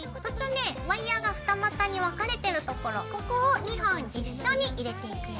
ワイヤーが二股に分かれてるところここを２本一緒に入れていくよ。